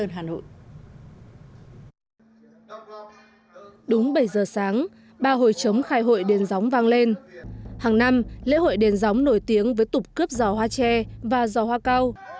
hàng năm lễ hội đền gióng nổi tiếng với tục cướp giò hoa tre và giò hoa cao